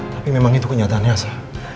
tapi memang itu kenyataannya sah